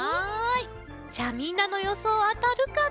じゃあみんなのよそうあたるかな？